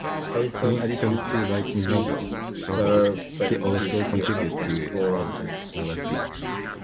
In addition to writing novels, she also contributes to "Elle" magazine.